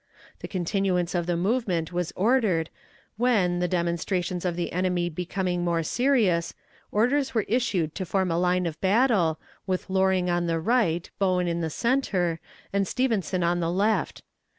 The continuance of the movement was ordered, when, the demonstrations of the enemy becoming more serious, orders were issued to form a line of battle, with Loring on the right, Bowen in the center, and Stevenson on the left.